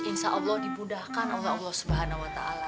insya allah dibudahkan allah allah subhanahu wa ta'ala